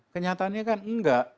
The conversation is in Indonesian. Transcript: kenyataannya kan enggak